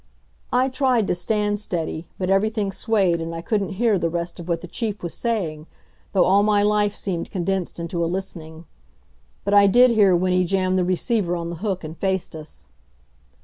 I tried to stand steady, but everything swayed and I couldn't hear the rest of what the Chief was saying, though all my life seemed condensed into a listening. But I did hear when he jammed the receiver on the hook and faced us.